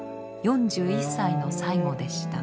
４１歳の最期でした。